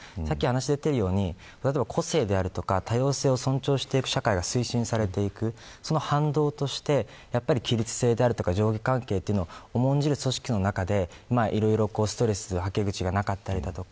話が出ているように組織であるとか多様性を尊重していく社会が推進されていくその反動として規律性であるとか上下関係を重んじる組織の中で、いろいろストレスのはけ口がなかったりだとか